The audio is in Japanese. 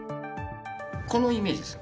このイメージです。